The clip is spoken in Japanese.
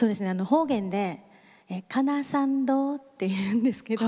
方言で「かなさんどぉ」っていうんですけど。